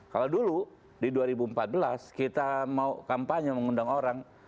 kalau dulu di dua ribu empat belas kita mau kampanye mengundang orang